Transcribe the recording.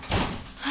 はい。